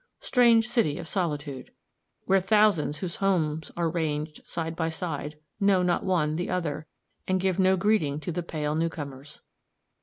Strange city of solitude! where thousands whose homes are ranged side by side, know not one the other, and give no greeting to the pale new comers.